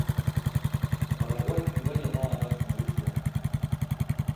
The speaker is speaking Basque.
Paraguai ibaia da adar nagusia.